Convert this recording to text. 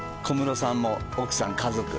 小室さんも奥さん家族